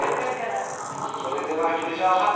それでは秀島さん